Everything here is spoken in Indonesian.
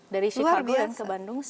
dari chicago dan ke bandung setahun